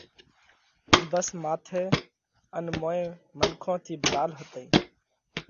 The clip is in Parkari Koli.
ڀس ماٿئہ ان موئين منکون ٿِي ڀرال هتئِي۔